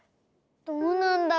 どうなんだろ？